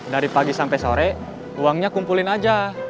dari pagi sampai sore uangnya kumpulin aja